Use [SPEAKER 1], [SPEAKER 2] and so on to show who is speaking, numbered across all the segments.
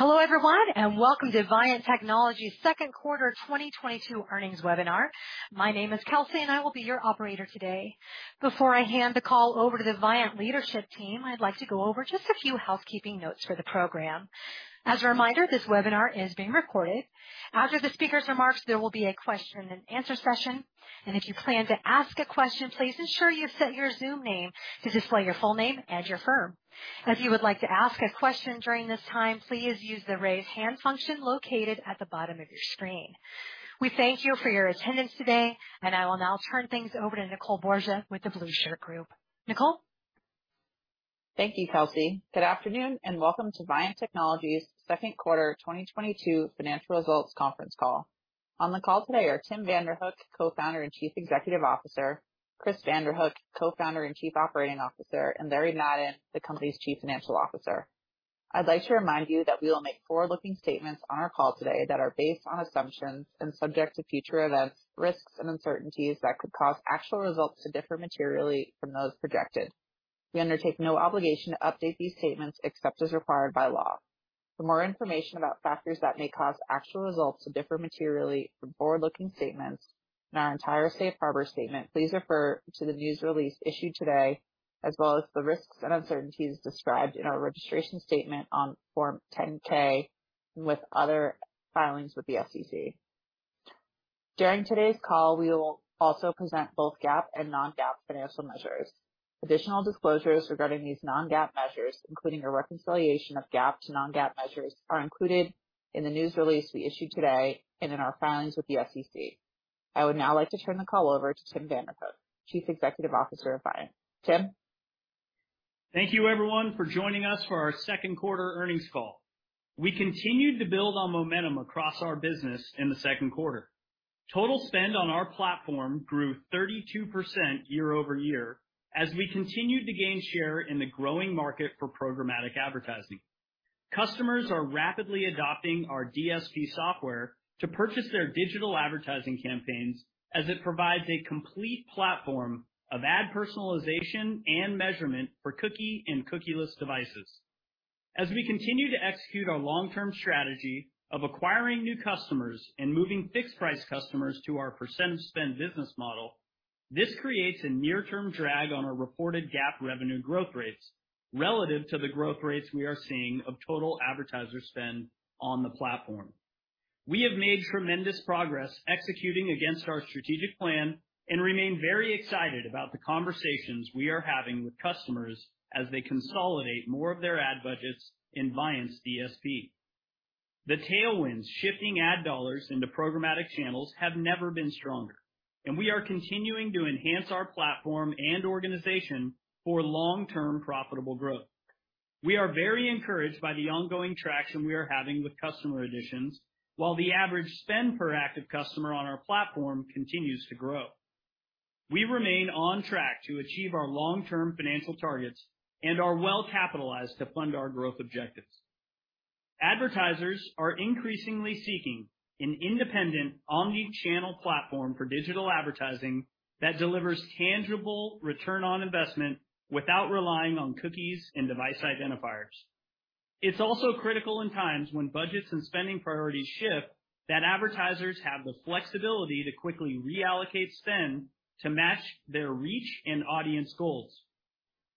[SPEAKER 1] Hello, everyone, and welcome to Viant Technology's second quarter 2022 earnings webinar. My name is Kelsey and I will be your operator today. Before I hand the call over to the Viant leadership team, I'd like to go over just a few housekeeping notes for the program. As a reminder, this webinar is being recorded. After the speaker's remarks, there will be a question and answer session, and if you plan to ask a question, please ensure you set your Zoom name to display your full name and your firm. If you would like to ask a question during this time, please use the raise hand function located at the bottom of your screen. We thank you for your attendance today, and I will now turn things over to Nicole Borsje with The Blueshirt Group. Nicole.
[SPEAKER 2] Thank you, Kelsey. Good afternoon, and welcome to Viant Technology's second quarter 2022 financial results conference call. On the call today are Tim Vanderhook, Co-founder and Chief Executive Officer, Chris Vanderhook, Co-founder and Chief Operating Officer, and Larry Madden, the company's Chief Financial Officer. I'd like to remind you that we will make forward-looking statements on our call today that are based on assumptions and subject to future events, risks and uncertainties that could cause actual results to differ materially from those projected. We undertake no obligation to update these statements except as required by law. For more information about factors that may cause actual results to differ materially from forward-looking statements and our entire safe harbor statement, please refer to the news release issued today, as well as the risks and uncertainties described in our registration statement on Form 10-K and with other filings with the SEC. During today's call, we will also present both GAAP and non-GAAP financial measures. Additional disclosures regarding these non-GAAP measures, including a reconciliation of GAAP to non-GAAP measures, are included in the news release we issued today and in our filings with the SEC. I would now like to turn the call over to Tim Vanderhook, Chief Executive Officer of Viant. Tim.
[SPEAKER 3] Thank you, everyone, for joining us for our second quarter earnings call. We continued to build on momentum across our business in the second quarter. Total spend on our platform grew 32% year-over-year as we continued to gain share in the growing market for programmatic advertising. Customers are rapidly adopting our DSP software to purchase their digital advertising campaigns as it provides a complete platform of ad personalization and measurement for cookie and cookieless devices. As we continue to execute our long-term strategy of acquiring new customers and moving fixed price customers to our percent of spend business model, this creates a near-term drag on our reported GAAP revenue growth rates relative to the growth rates we are seeing of total advertiser spend on the platform. We have made tremendous progress executing against our strategic plan and remain very excited about the conversations we are having with customers as they consolidate more of their ad budgets in Viant's DSP. The tailwinds shifting ad dollars into programmatic channels have never been stronger, and we are continuing to enhance our platform and organization for long-term profitable growth. We are very encouraged by the ongoing traction we are having with customer additions, while the average spend per active customer on our platform continues to grow. We remain on track to achieve our long-term financial targets and are well capitalized to fund our growth objectives. Advertisers are increasingly seeking an independent omnichannel platform for digital advertising that delivers tangible return on investment without relying on cookies and device identifiers. It's also critical in times when budgets and spending priorities shift, that advertisers have the flexibility to quickly reallocate spend to match their reach and audience goals.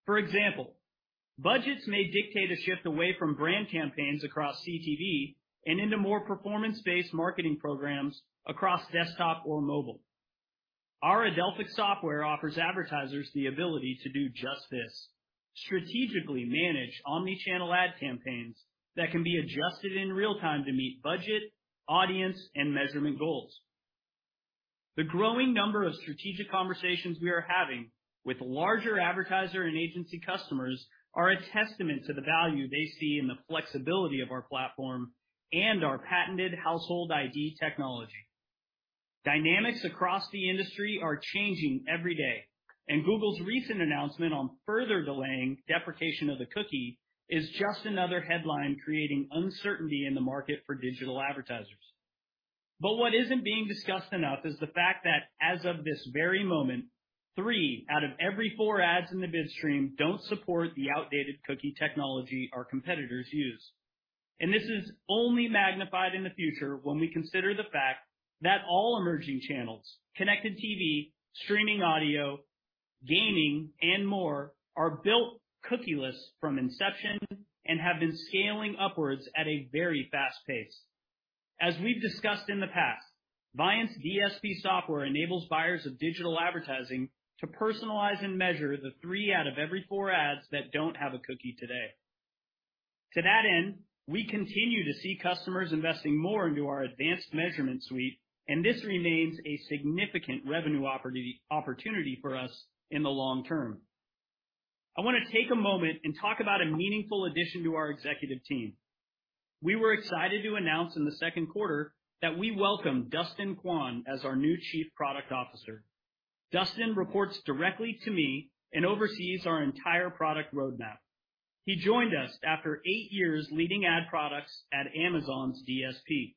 [SPEAKER 3] For example, budgets may dictate a shift away from brand campaigns across CTV and into more performance-based marketing programs across desktop or mobile. Our Adelphic software offers advertisers the ability to do just this, strategically manage omnichannel ad campaigns that can be adjusted in real time to meet budget, audience, and measurement goals. The growing number of strategic conversations we are having with larger advertiser and agency customers are a testament to the value they see in the flexibility of our platform and our patented Household ID technology. Dynamics across the industry are changing every day, and Google's recent announcement on further delaying deprecation of the cookie is just another headline creating uncertainty in the market for digital advertisers. What isn't being discussed enough is the fact that as of this very moment, three out of every four ads in the bid stream don't support the outdated cookie technology our competitors use. This is only magnified in the future when we consider the fact that all emerging channels, connected TV, streaming audio, gaming and more, are built cookieless from inception and have been scaling upwards at a very fast pace. As we've discussed in the past, Viant's DSP software enables buyers of digital advertising to personalize and measure the three out of every four ads that don't have a cookie today. To that end, we continue to see customers investing more into our advanced measurement suite, and this remains a significant revenue opportunity for us in the long term. I wanna take a moment and talk about a meaningful addition to our executive team. We were excited to announce in the second quarter that we welcome Dustin Kwan as our new chief product officer. Dustin reports directly to me and oversees our entire product roadmap. He joined us after eight years leading ad products at Amazon's DSP.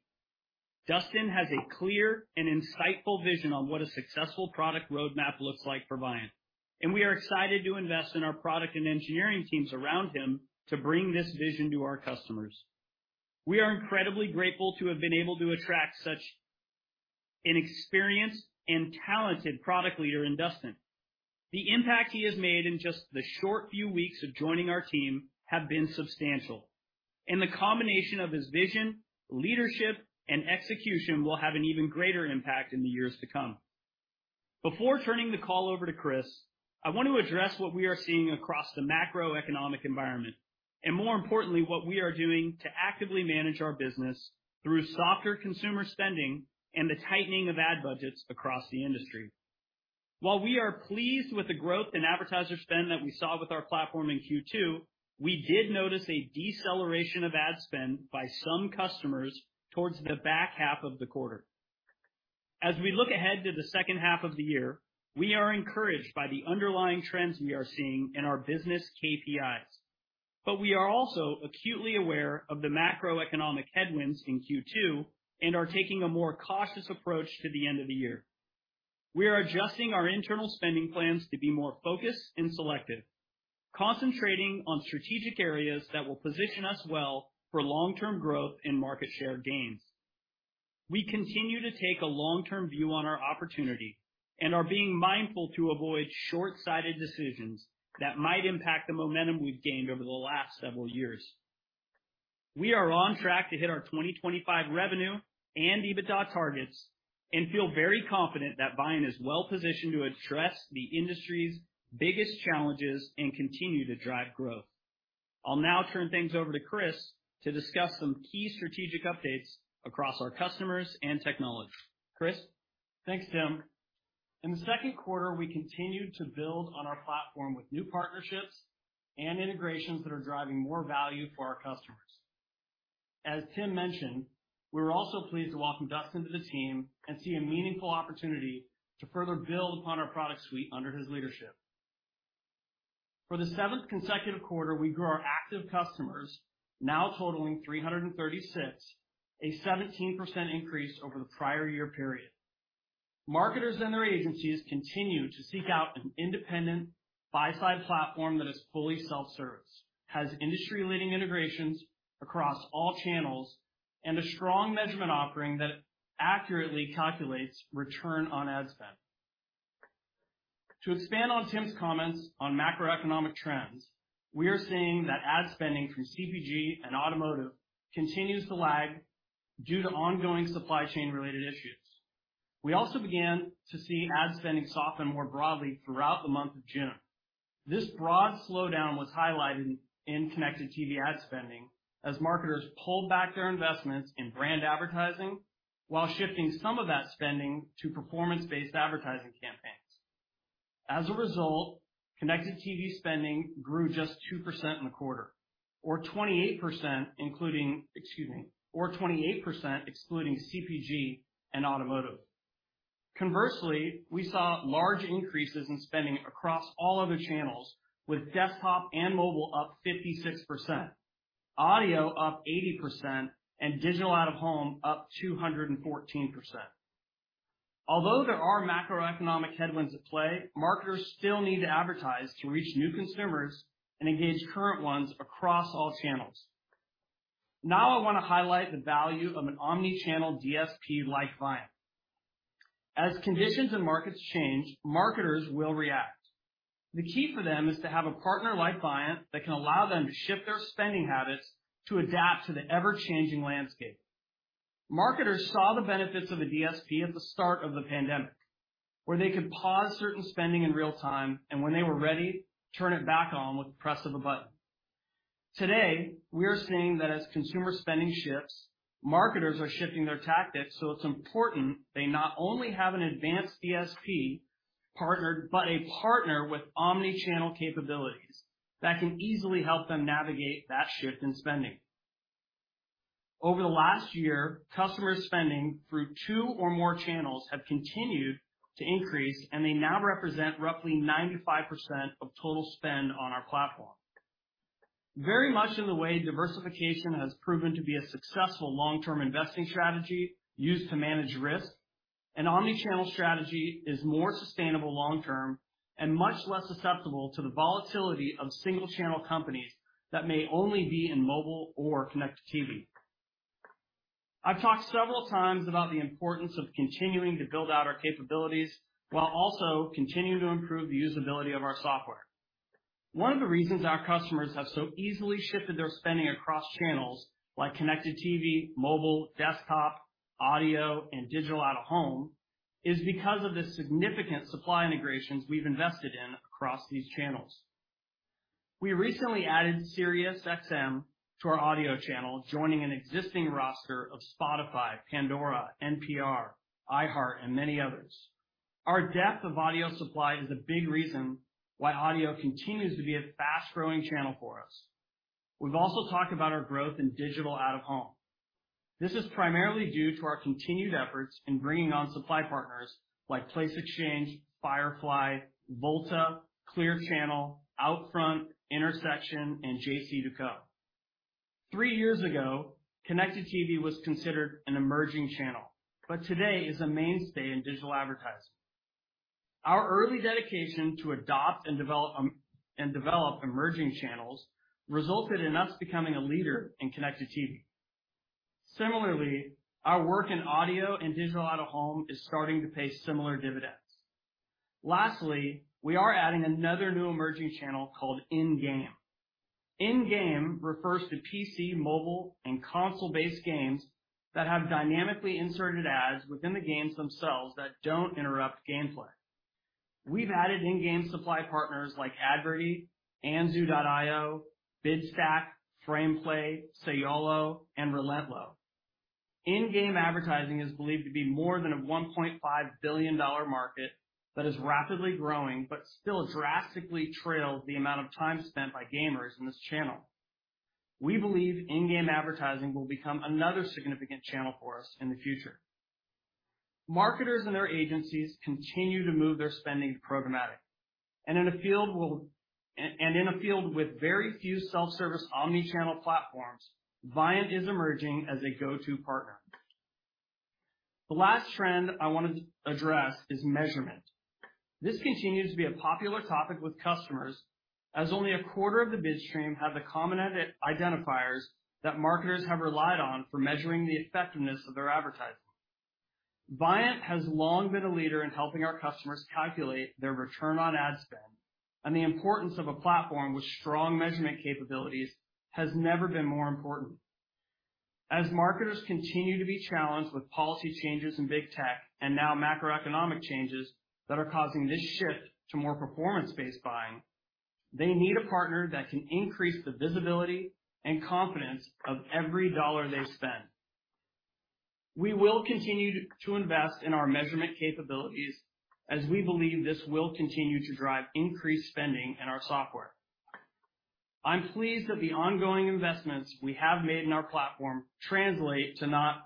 [SPEAKER 3] Dustin has a clear and insightful vision on what a successful product roadmap looks like for Viant, and we are excited to invest in our product and engineering teams around him to bring this vision to our customers. We are incredibly grateful to have been able to attract such an experienced and talented product leader in Dustin. The impact he has made in just the short few weeks of joining our team have been substantial, and the combination of his vision, leadership, and execution will have an even greater impact in the years to come. Before turning the call over to Chris, I want to address what we are seeing across the macroeconomic environment and more importantly, what we are doing to actively manage our business through softer consumer spending and the tightening of ad budgets across the industry. While we are pleased with the growth in advertiser spend that we saw with our platform in Q2, we did notice a deceleration of ad spend by some customers towards the back half of the quarter. As we look ahead to the second half of the year, we are encouraged by the underlying trends we are seeing in our business KPIs. We are also acutely aware of the macroeconomic headwinds in Q2 and are taking a more cautious approach to the end of the year. We are adjusting our internal spending plans to be more focused and selective, concentrating on strategic areas that will position us well for long-term growth and market share gains. We continue to take a long-term view on our opportunity and are being mindful to avoid short-sighted decisions that might impact the momentum we've gained over the last several years. We are on track to hit our 2025 revenue and EBITDA targets and feel very confident that Viant is well-positioned to address the industry's biggest challenges and continue to drive growth. I'll now turn things over to Chris to discuss some key strategic updates across our customers and technology. Chris?
[SPEAKER 4] Thanks, Tim. In the second quarter, we continued to build on our platform with new partnerships and integrations that are driving more value for our customers. As Tim mentioned, we're also pleased to welcome Dustin to the team and see a meaningful opportunity to further build upon our product suite under his leadership. For the seventh consecutive quarter, we grew our active customers, now totaling 336, a 17% increase over the prior year period. Marketers and their agencies continue to seek out an independent buy-side platform that is fully self-service, has industry-leading integrations across all channels, and a strong measurement offering that accurately calculates return on ad spend. To expand on Tim's comments on macroeconomic trends, we are seeing that ad spending from CPG and automotive continues to lag due to ongoing supply chain-related issues. We also began to see ad spending soften more broadly throughout the month of June. This broad slowdown was highlighted in connected TV ad spending as marketers pulled back their investments in brand advertising while shifting some of that spending to performance-based advertising campaigns. As a result, connected TV spending grew just 2% in the quarter, or 28% including, excuse me, or 28% excluding CPG and automotive. Conversely, we saw large increases in spending across all other channels, with desktop and mobile up 56%, audio up 80%, and digital out-of-home up 214%. Although there are macroeconomic headwinds at play, marketers still need to advertise to reach new consumers and engage current ones across all channels. Now I wanna highlight the value of an omni-channel DSP like Viant. As conditions and markets change, marketers will react. The key for them is to have a partner like Viant that can allow them to shift their spending habits to adapt to the ever-changing landscape. Marketers saw the benefits of a DSP at the start of the pandemic, where they could pause certain spending in real time, and when they were ready, turn it back on with the press of a button. Today, we are seeing that as consumer spending shifts, marketers are shifting their tactics, so it's important they not only have an advanced DSP partner, but a partner with omni-channel capabilities that can easily help them navigate that shift in spending. Over the last year, customers spending through two or more channels have continued to increase, and they now represent roughly 95% of total spend on our platform. Very much in the way diversification has proven to be a successful long-term investing strategy used to manage risk, an omni-channel strategy is more sustainable long term and much less susceptible to the volatility of single-channel companies that may only be in mobile or connected TV. I've talked several times about the importance of continuing to build out our capabilities while also continuing to improve the usability of our software. One of the reasons our customers have so easily shifted their spending across channels like connected TV, mobile, desktop, audio, and digital out-of-home is because of the significant supply integrations we've invested in across these channels. We recently added SiriusXM to our audio channel, joining an existing roster of Spotify, Pandora, NPR, iHeart, and many others. Our depth of audio supply is a big reason why audio continues to be a fast-growing channel for us. We've also talked about our growth in digital out-of-home. This is primarily due to our continued efforts in bringing on supply partners like Place Exchange, Firefly, Volta, Clear Channel, OUTFRONT, Intersection, and JCDecaux. Three years ago, connected TV was considered an emerging channel, but today is a mainstay in digital advertising. Our early dedication to adopt and develop emerging channels resulted in us becoming a leader in connected TV. Similarly, our work in audio and digital out-of-home is starting to pay similar dividends. Lastly, we are adding another new emerging channel called in-game. In-game refers to PC, mobile, and console-based games that have dynamically inserted ads within the games themselves that don't interrupt gameplay. We've added in-game supply partners like Adverty, Anzu.io, Bidstack, Frameplay, Sayollo, and Relentless. In-game advertising is believed to be more than a $1.5 billion market that is rapidly growing, but still drastically trails the amount of time spent by gamers in this channel. We believe in-game advertising will become another significant channel for us in the future. Marketers and their agencies continue to move their spending to programmatic, and in a field with very few self-service omnichannel platforms, Viant is emerging as a go-to partner. The last trend I want to address is measurement. This continues to be a popular topic with customers as only a quarter of the bid stream have the common ad identifiers that marketers have relied on for measuring the effectiveness of their advertising. Viant has long been a leader in helping our customers calculate their return on ad spend, and the importance of a platform with strong measurement capabilities has never been more important. As marketers continue to be challenged with policy changes in big tech and now macroeconomic changes that are causing this shift to more performance-based buying, they need a partner that can increase the visibility and confidence of every dollar they spend. We will continue to invest in our measurement capabilities as we believe this will continue to drive increased spending in our software. I'm pleased that the ongoing investments we have made in our platform translate to not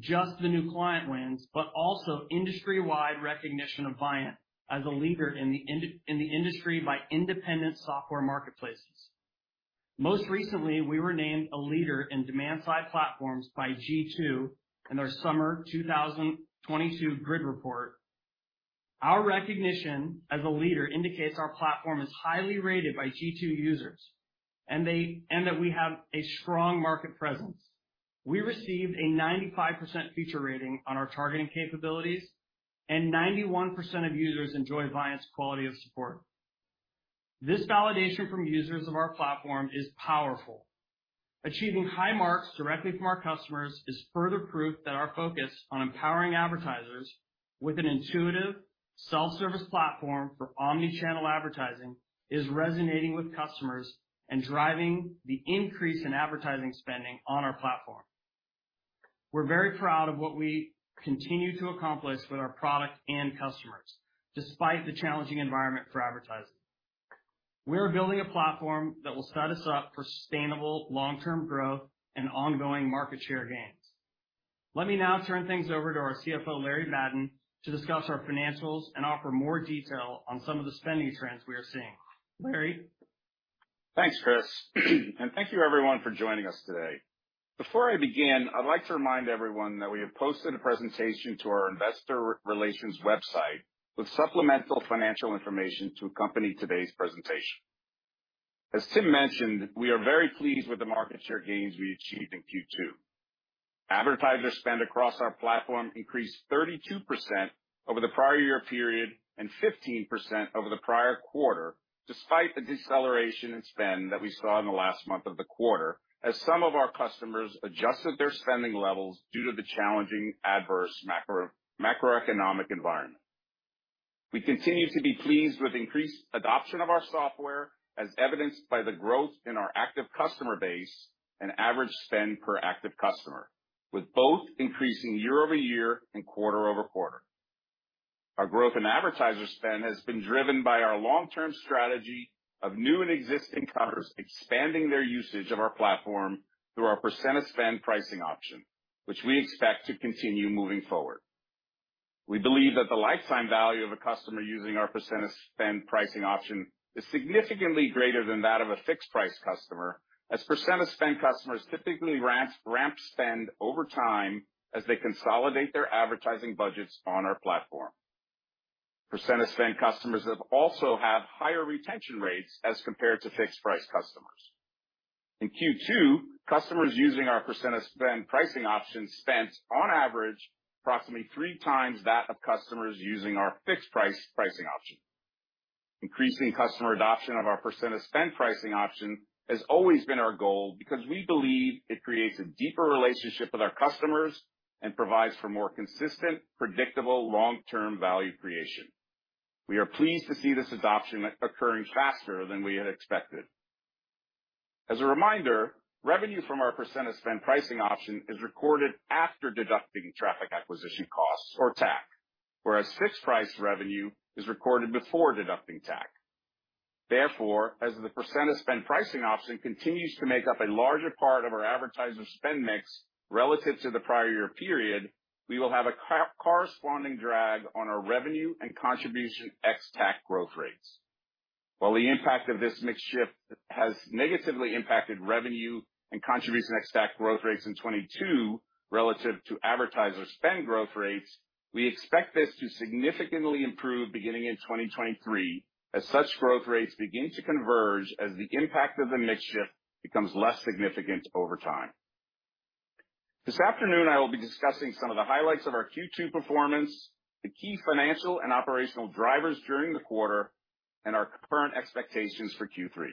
[SPEAKER 4] just the new client wins, but also industry-wide recognition of Viant as a leader in the industry by independent software marketplaces. Most recently, we were named a leader in demand side platforms by G2 in their summer 2022 Grid report. Our recognition as a leader indicates our platform is highly rated by G2 users, and that we have a strong market presence. We received a 95% feature rating on our targeting capabilities, and 91% of users enjoy Viant's quality of support. This validation from users of our platform is powerful. Achieving high marks directly from our customers is further proof that our focus on empowering advertisers with an intuitive self-service platform for omnichannel advertising is resonating with customers and driving the increase in advertising spending on our platform. We're very proud of what we continue to accomplish with our product and customers, despite the challenging environment for advertising. We are building a platform that will set us up for sustainable long-term growth and ongoing market share gains. Let me now turn things over to our CFO, Larry Madden, to discuss our financials and offer more detail on some of the spending trends we are seeing. Larry?
[SPEAKER 5] Thanks, Chris, and thank you everyone for joining us today. Before I begin, I'd like to remind everyone that we have posted a presentation to our investor relations website with supplemental financial information to accompany today's presentation. As Tim mentioned, we are very pleased with the market share gains we achieved in Q2. Advertiser spend across our platform increased 32% over the prior year period and 15% over the prior quarter, despite the deceleration in spend that we saw in the last month of the quarter as some of our customers adjusted their spending levels due to the challenging, adverse macroeconomic environment. We continue to be pleased with increased adoption of our software, as evidenced by the growth in our active customer base and average spend per active customer, with both increasing year-over-year and quarter-over-quarter. Our growth in advertiser spend has been driven by our long-term strategy of new and existing customers expanding their usage of our platform through our percent of spend pricing option, which we expect to continue moving forward. We believe that the lifetime value of a customer using our percent of spend pricing option is significantly greater than that of a fixed-price customer, as percent of spend customers typically ramp spend over time as they consolidate their advertising budgets on our platform. Percent of spend customers also have higher retention rates as compared to fixed price customers. In Q2, customers using our percent of spend pricing option spent, on average, approximately 3x that of customers using our fixed price pricing option. Increasing customer adoption of our percent of spend pricing option has always been our goal because we believe it creates a deeper relationship with our customers and provides for more consistent, predictable, long-term value creation. We are pleased to see this adoption occurring faster than we had expected. As a reminder, revenue from our percent of spend pricing option is recorded after deducting traffic acquisition costs or TAC, whereas fixed price revenue is recorded before deducting TAC. Therefore, as the percent of spend pricing option continues to make up a larger part of our advertiser spend mix relative to the prior year period, we will have a corresponding drag on our revenue and contribution ex-TAC growth rates. While the impact of this mix shift has negatively impacted revenue and contribution ex-TAC growth rates in 2022 relative to advertiser spend growth rates, we expect this to significantly improve beginning in 2023 as such growth rates begin to converge as the impact of the mix shift becomes less significant over time. This afternoon, I will be discussing some of the highlights of our Q2 performance, the key financial and operational drivers during the quarter, and our current expectations for Q3.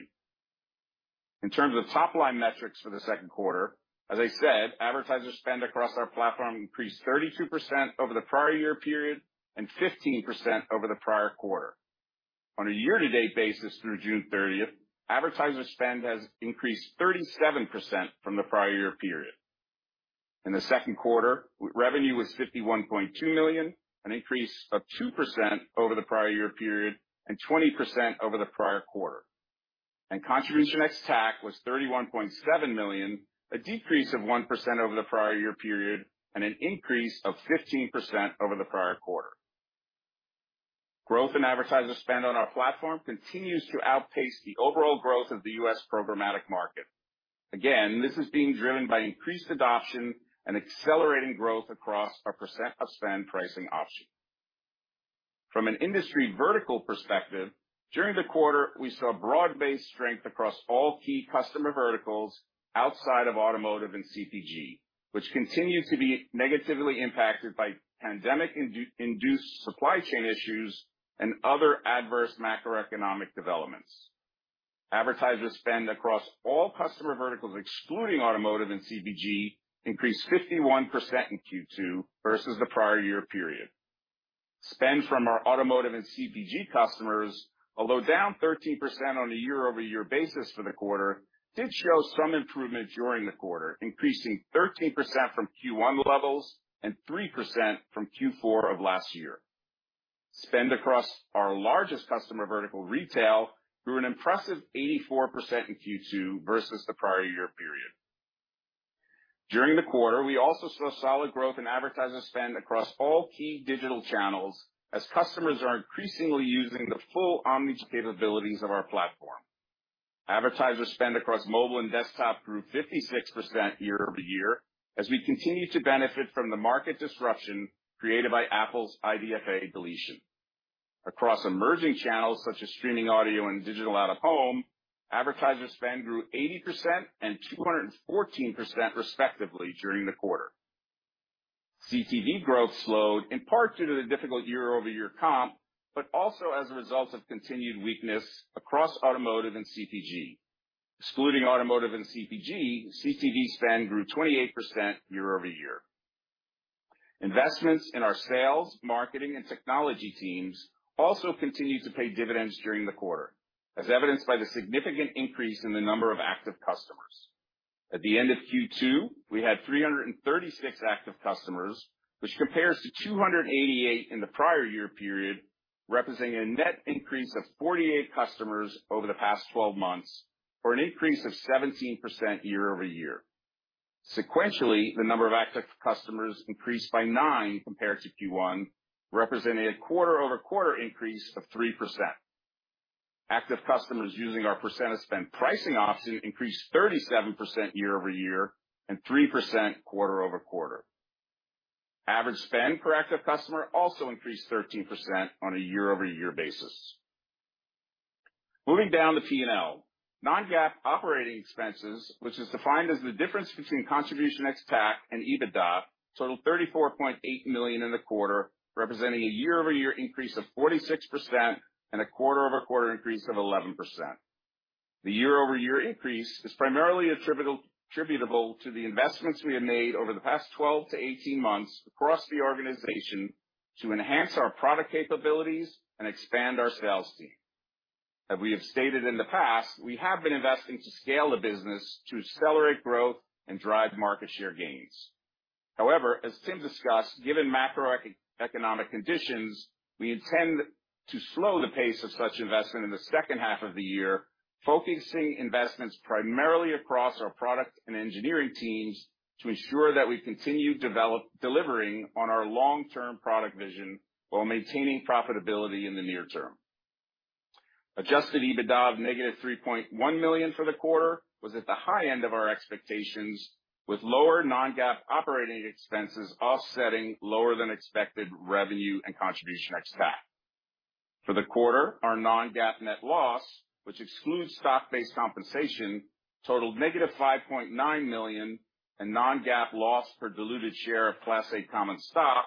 [SPEAKER 5] In terms of top-line metrics for the second quarter, as I said, advertiser spend across our platform increased 32% over the prior year period and 15% over the prior quarter. On a year-to-date basis through June 30, advertiser spend has increased 37% from the prior year period. In the second quarter, revenue was $51.2 million, an increase of 2% over the prior year period and 20% over the prior quarter. Contribution ex-TAC was $31.7 million, a decrease of 1% over the prior year period and an increase of 15% over the prior quarter. Growth in advertiser spend on our platform continues to outpace the overall growth of the US programmatic market. Again, this is being driven by increased adoption and accelerating growth across our percent of spend pricing option. From an industry vertical perspective, during the quarter, we saw broad-based strength across all key customer verticals outside of automotive and CPG, which continue to be negatively impacted by pandemic induced supply chain issues and other adverse macroeconomic developments. Advertiser spend across all customer verticals, excluding automotive and CPG, increased 51% in Q2 versus the prior year period. Spend from our automotive and CPG customers, although down 13% on a year-over-year basis for the quarter, did show some improvement during the quarter, increasing 13% from Q1 levels and 3% from Q4 of last year. Spend across our largest customer vertical retail grew an impressive 84% in Q2 versus the prior year period. During the quarter, we also saw solid growth in advertiser spend across all key digital channels as customers are increasingly using the full omni capabilities of our platform. Advertiser spend across mobile and desktop grew 56% year-over-year as we continue to benefit from the market disruption created by Apple's IDFA deprecation. Across emerging channels such as streaming audio and digital out-of-home, advertiser spend grew 80% and 214% respectively during the quarter. CTV growth slowed, in part due to the difficult year-over-year comp, but also as a result of continued weakness across automotive and CPG. Excluding automotive and CPG, CTV spend grew 28% year-over-year. Investments in our sales, marketing, and technology teams also continued to pay dividends during the quarter, as evidenced by the significant increase in the number of active customers. At the end of Q2, we had 336 active customers, which compares to 288 in the prior year period, representing a net increase of 48 customers over the past 12 months or an increase of 17% year over year. Sequentially, the number of active customers increased by nine compared to Q1, representing a quarter-over-quarter increase of 3%. Active customers using our percent of spend pricing option increased 37% year over year and 3% quarter over quarter. Average spend per active customer also increased 13% on a year-over-year basis. Moving down the P&L. non-GAAP operating expenses, which is defined as the difference between contribution ex-TAC and EBITDA, totaled $34.8 million in the quarter, representing a year-over-year increase of 46% and a quarter-over-quarter increase of 11%. The year-over-year increase is primarily attributable to the investments we have made over the past 12-18 months across the organization to enhance our product capabilities and expand our sales team. As we have stated in the past, we have been investing to scale the business to accelerate growth and drive market share gains. However, as Tim discussed, given macroeconomic conditions, we intend to slow the pace of such investment in the second half of the year, focusing investments primarily across our product and engineering teams to ensure that we continue delivering on our long-term product vision while maintaining profitability in the near term. Adjusted EBITDA of negative $3.1 million for the quarter was at the high end of our expectations, with lower non-GAAP operating expenses offsetting lower than expected revenue and contribution ex-TAC. For the quarter, our non-GAAP net loss, which excludes stock-based compensation, totaled negative $5.9 million, and non-GAAP loss per diluted share of Class A common stock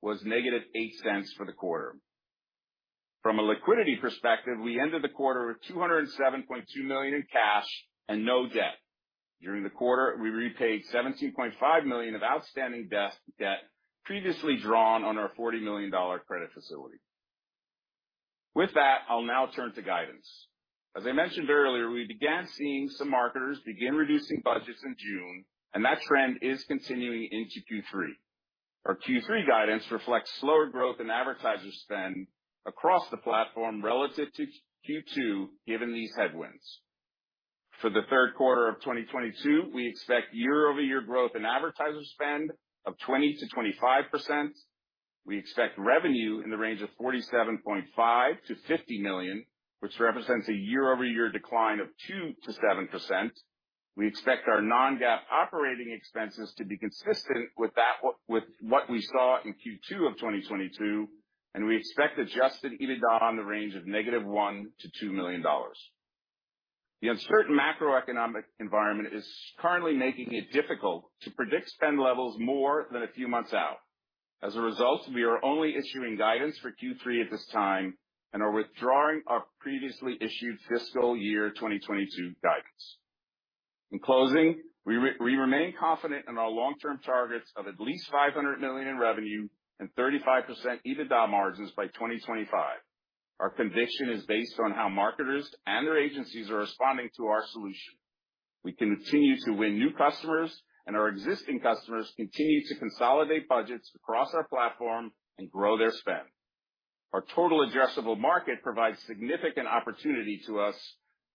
[SPEAKER 5] was negative $0.08 for the quarter. From a liquidity perspective, we ended the quarter with $207.2 million in cash and no debt. During the quarter, we repaid $17.5 million of outstanding debt previously drawn on our $40 million credit facility. With that, I'll now turn to guidance. As I mentioned earlier, we began seeing some marketers begin reducing budgets in June, and that trend is continuing into Q3. Our Q3 guidance reflects slower growth in advertiser spend across the platform relative to Q2 given these headwinds. For the third quarter of 2022, we expect year-over-year growth in advertiser spend of 20%-25%. We expect revenue in the range of $47.5 million-$50 million, which represents a year-over-year decline of 2%-7%. We expect our non-GAAP operating expenses to be consistent with what we saw in Q2 of 2022, and we expect adjusted EBITDA in the range of negative $1 million to $2 million. The uncertain macroeconomic environment is currently making it difficult to predict spend levels more than a few months out. As a result, we are only issuing guidance for Q3 at this time and are withdrawing our previously issued fiscal year 2022 guidance. In closing, we remain confident in our long-term targets of at least $500 million in revenue and 35% EBITDA margins by 2025. Our conviction is based on how marketers and their agencies are responding to our solution. We continue to win new customers, and our existing customers continue to consolidate budgets across our platform and grow their spend. Our total addressable market provides significant opportunity to us,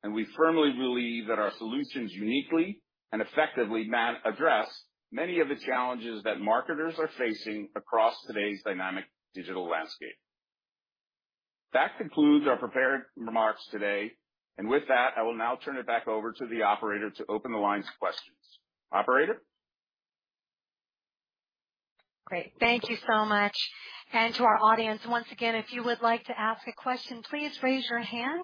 [SPEAKER 5] and we firmly believe that our solutions uniquely and effectively address many of the challenges that marketers are facing across today's dynamic digital landscape. That concludes our prepared remarks today. With that, I will now turn it back over to the operator to open the lines for questions. Operator?
[SPEAKER 1] Great. Thank you so much. To our audience, once again, if you would like to ask a question, please raise your hand.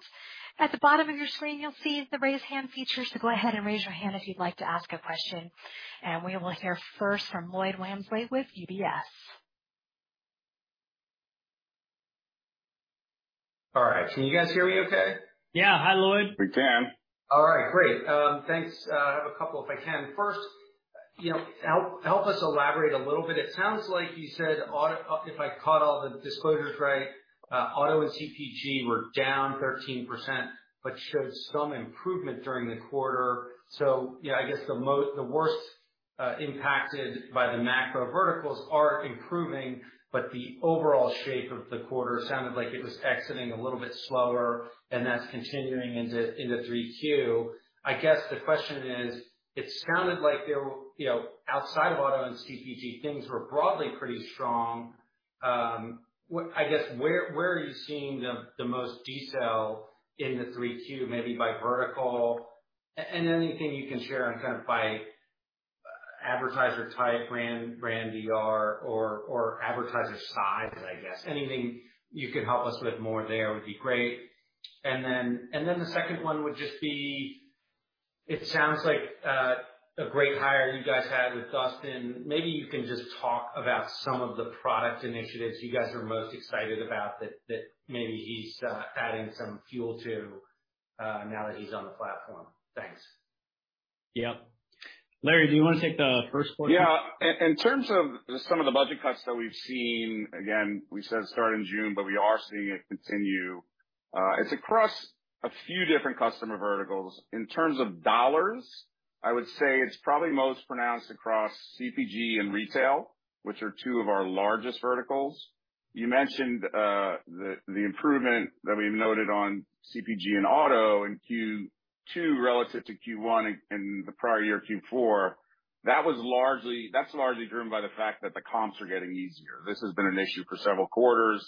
[SPEAKER 1] At the bottom of your screen, you'll see the Raise Hand feature. Go ahead and raise your hand if you'd like to ask a question. We will hear first from Lloyd Walmsley with UBS.
[SPEAKER 6] All right. Can you guys hear me okay?
[SPEAKER 3] Yeah. Hi, Lloyd.
[SPEAKER 5] We can.
[SPEAKER 6] All right, great. Thanks. I have a couple if I can. First, you know, help us elaborate a little bit. It sounds like you said auto. If I caught all the disclosures right, auto and CPG were down 13%, but showed some improvement during the quarter. Yeah, I guess the worst impacted by the macro verticals are improving, but the overall shape of the quarter sounded like it was exiting a little bit slower, and that's continuing into 3Q. I guess the question is, it sounded like there, you know, outside of auto and CPG, things were broadly pretty strong. What. I guess, where are you seeing the most detail in 3Q, maybe by vertical? And anything you can share on kind of by advertiser type, brand DR or advertiser size, I guess. Anything you could help us with more there would be great. The second one would just be, it sounds like a great hire you guys had with Dustin. Maybe you can just talk about some of the product initiatives you guys are most excited about that maybe he's adding some fuel to now that he's on the platform. Thanks.
[SPEAKER 3] Yeah. Larry, do you wanna take the first point?
[SPEAKER 5] Yeah. In terms of some of the budget cuts that we've seen, again, we said start in June, but we are seeing it continue. It's across a few different customer verticals. In terms of dollars, I would say it's probably most pronounced across CPG and retail, which are two of our largest verticals. You mentioned the improvement that we've noted on CPG and auto in Q2 relative to Q1 and the prior year, Q4. That's largely driven by the fact that the comps are getting easier. This has been an issue for several quarters.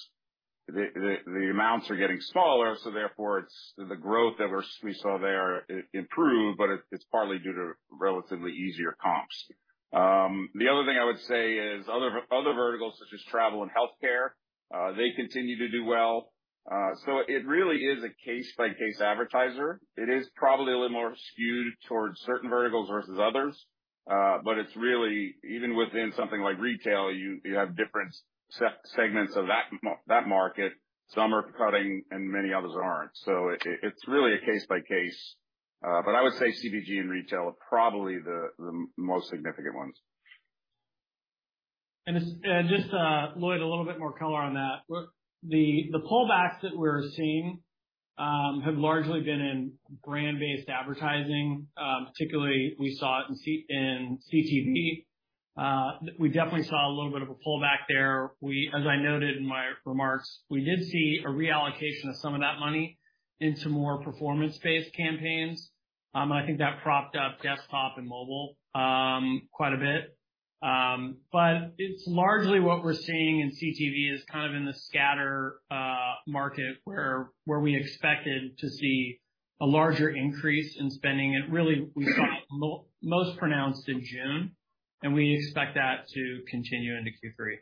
[SPEAKER 5] The amounts are getting smaller, so therefore it's the growth that we saw there improved, but it's partly due to relatively easier comps. The other thing I would say is other verticals such as travel and healthcare, they continue to do well. It really is a case-by-case advertiser. It is probably a little more skewed towards certain verticals versus others. It's really even within something like retail, you have different segments of that market. Some are cutting and many others aren't. It's really a case by case. I would say CPG and retail are probably the most significant ones.
[SPEAKER 3] Just Lloyd, a little bit more color on that. The pullbacks that we're seeing have largely been in brand-based advertising, particularly we saw it in CTV. We definitely saw a little bit of a pullback there. As I noted in my remarks, we did see a reallocation of some of that money into more performance-based campaigns. I think that propped up desktop and mobile quite a bit. But it's largely what we're seeing in CTV is kind of in the scatter market where we expected to see a larger increase in spending. We saw it most pronounced in June, and we expect that to continue into Q3.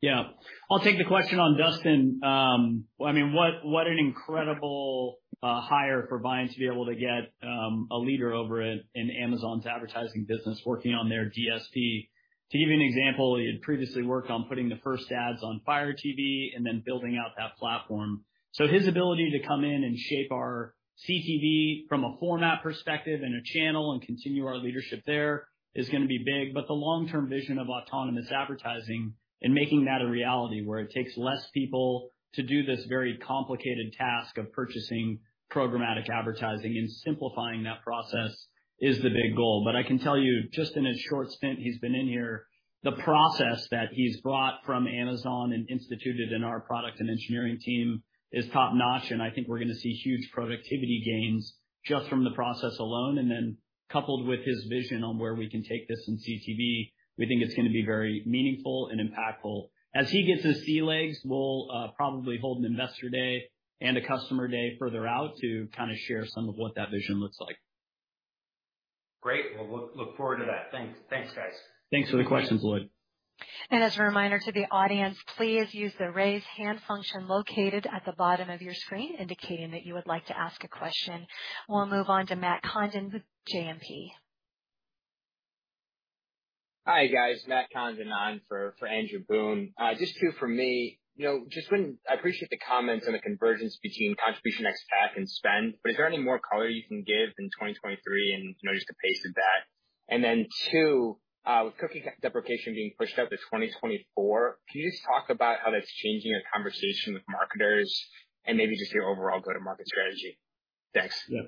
[SPEAKER 3] Yeah. I'll take the question on Dustin. I mean, what an incredible hire for Viant to be able to get a leader over at Amazon's advertising business working on their DSP. To give you an example, he had previously worked on putting the first ads on Fire TV and then building out that platform. So his ability to come in and shape our CTV from a format perspective and a channel and continue our leadership there is gonna be big. The long-term vision of autonomous advertising and making that a reality where it takes less people to do this very complicated task of purchasing programmatic advertising and simplifying that process is the big goal. I can tell you just in his short stint he's been in here, the process that he's brought from Amazon and instituted in our product and engineering team is top-notch, and I think we're gonna see huge productivity gains just from the process alone. Coupled with his vision on where we can take this in CTV, we think it's gonna be very meaningful and impactful. As he gets his sea legs, we'll probably hold an investor day and a customer day further out to kind of share some of what that vision looks like.
[SPEAKER 6] Great. Well, look forward to that. Thanks, guys.
[SPEAKER 3] Thanks for the question, Lloyd.
[SPEAKER 1] As a reminder to the audience, please use the Raise Hand function located at the bottom of your screen, indicating that you would like to ask a question. We'll move on to Matthew Condon with JMP.
[SPEAKER 7] Hi, guys, Matthew Condon. I'm for Andrew Boone. Just two from me. You know, I appreciate the comments on the convergence between contribution ex-TAC and spend, but is there any more color you can give in 2023 and, you know, just the pace of that? Then two, with cookie deprecation being pushed out to 2024, can you just talk about how that's changing your conversation with marketers and maybe just your overall go-to-market strategy? Thanks.
[SPEAKER 3] Yeah.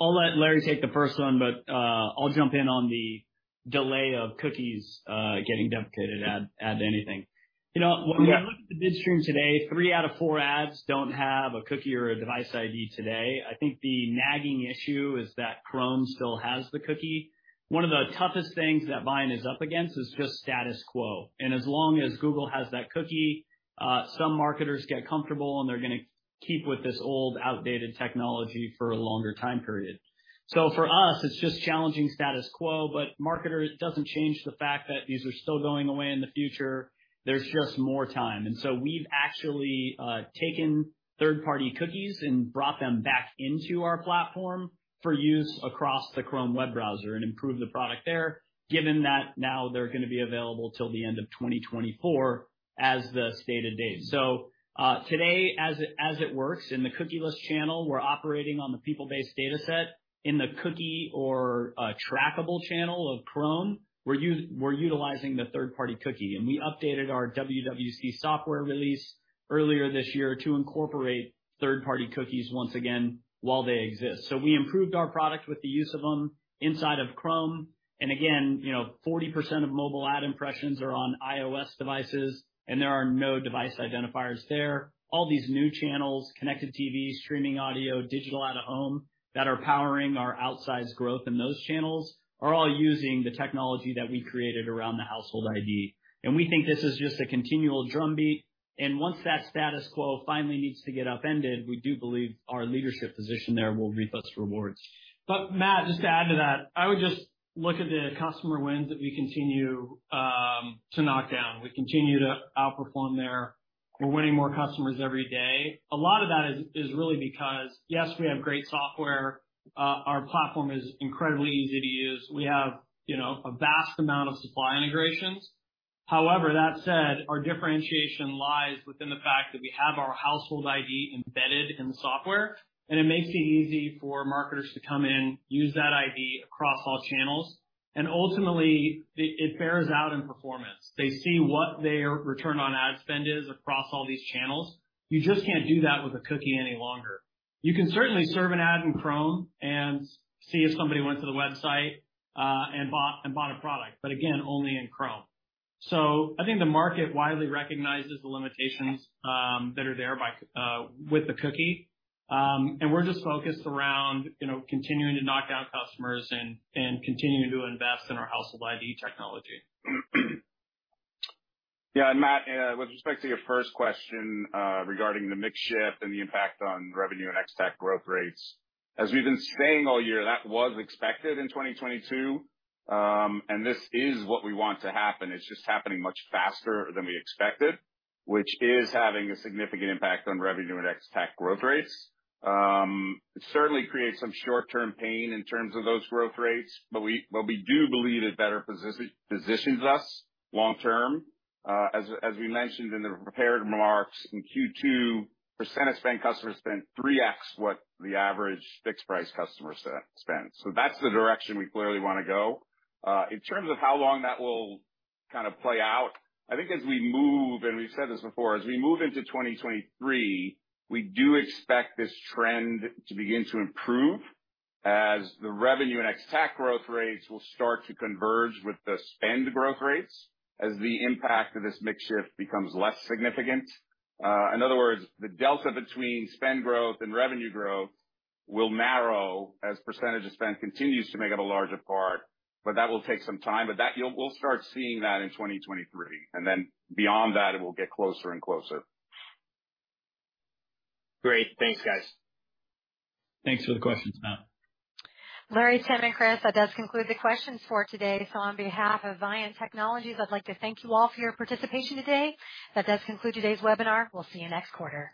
[SPEAKER 3] I'll let Larry take the first one, but I'll jump in on the delay of cookies getting deprecated, add to anything. You know, when we look at the bid stream today, three out of four ads don't have a cookie or a device ID today. I think the nagging issue is that Chrome still has the cookie. One of the toughest things that Viant is up against is just status quo. As long as Google has that cookie, some marketers get comfortable, and they're gonna keep with this old, outdated technology for a longer time period. For us, it's just challenging status quo, but marketers, it doesn't change the fact that these are still going away in the future. There's just more time. We've actually taken third-party cookies and brought them back into our platform for use across the Chrome web browser and improved the product there, given that now they're gonna be available till the end of 2024 as the stated date. Today, as it works in the cookieless channel, we're operating on the people-based dataset. In the cookie or trackable channel of Chrome, we're utilizing the third-party cookie, and we updated our WWC software release earlier this year to incorporate third-party cookies once again while they exist. We improved our product with the use of them inside of Chrome. Again, you know, 40% of mobile ad impressions are on iOS devices, and there are no device identifiers there. All these new channels, connected TV, streaming audio, digital out-of-home, that are powering our outsized growth in those channels are all using the technology that we created around the Household ID. We think this is just a continual drumbeat, and once that status quo finally needs to get upended, we do believe our leadership position there will reap us rewards.
[SPEAKER 4] Matt, just to add to that, I would just look at the customer wins that we continue to knock down. We continue to outperform there. We're winning more customers every day. A lot of that is really because, yes, we have great software. Our platform is incredibly easy to use. We have, you know, a vast amount of supply integrations. However, that said, our differentiation lies within the fact that we have our Household ID embedded in the software, and it makes it easy for marketers to come in, use that ID across all channels, and ultimately, it bears out in performance. They see what their return on ad spend is across all these channels. You just can't do that with a cookie any longer.
[SPEAKER 5] You can certainly serve an ad in Chrome and see if somebody went to the website and bought a product, but again, only in Chrome. I think the market widely recognizes the limitations that are there with the cookie. We're just focused around, you know, continuing to knock out customers and continuing to invest in our Household ID technology. Yeah. Matt, with respect to your first question, regarding the mix shift and the impact on revenue and ex-TAC growth rates, as we've been saying all year, that was expected in 2022. This is what we want to happen. It's just happening much faster than we expected, which is having a significant impact on revenue and ex-TAC growth rates. It certainly creates some short-term pain in terms of those growth rates, but we do believe it better positions us long term. As we mentioned in the prepared remarks, in Q2, percent of spend customers spent 3x what the average fixed price customer spends. That's the direction we clearly wanna go. In terms of how long that will kind of play out, I think as we move, and we've said this before, as we move into 2023, we do expect this trend to begin to improve as the revenue and ex-TAC growth rates will start to converge with the spend growth rates as the impact of this mix shift becomes less significant. In other words, the delta between spend growth and revenue growth will narrow as percent of spend continues to make up a larger part, but that will take some time. We'll start seeing that in 2023, and then beyond that, it will get closer and closer.
[SPEAKER 7] Great. Thanks, guys.
[SPEAKER 3] Thanks for the questions, Matt.
[SPEAKER 1] Larry, Tim, and Chris, that does conclude the questions for today. On behalf of Viant Technology, I'd like to thank you all for your participation today. That does conclude today's webinar. We'll see you next quarter.